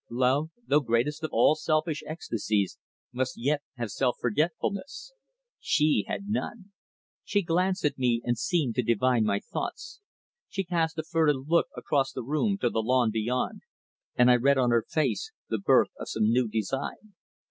Love, though greatest of all selfish ecstasies, must yet have self forgetfulness. She had none. She glanced at me and seemed to divine my thoughts. She cast a furtive look across the room to the lawn beyond, and I read on her face the birth of some new design.